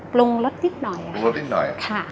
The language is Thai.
ปรุงรสนิดหน่อยค่ะ